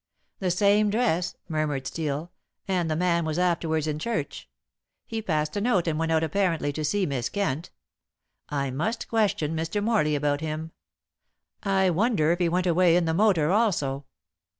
"The same dress," murmured Steel, "and the man was afterwards in church. He passed a note and went out apparently to see Miss Kent. I must question Mr. Morley about him. I wonder if he went away in the motor also."